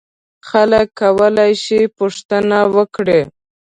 خلک کولای شي پوښتنه وکړي.